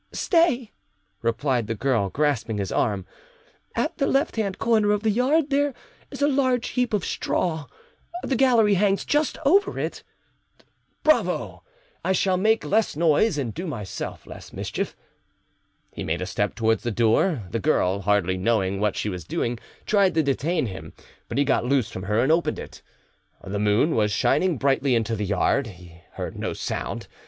"Stay," replied the girl, grasping his arm; "at the left hand corner of the yard there is a large heap of straw, the gallery hangs just over it—" "Bravo! I shall make less noise, and do myself less mischief." He made a step towards the door; the girl, hardly knowing what she was doing, tried to detain him; but he got loose from her and opened it. The moon was shining brightly into the yard; he heard no sound.